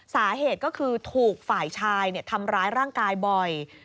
สาเหตุก็คือถูกฝ่ายชายทำร้ายร่างกายบ่อย